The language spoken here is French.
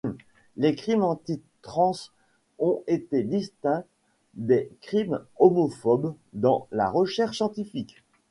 Les crimes anti-trans ont été distincts des crimes homophobes dans la recherche scientifique.